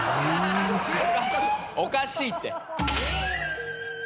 おかしいって。